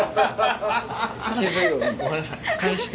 ごめんなさい返して。